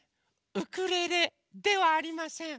ウクレレではありません。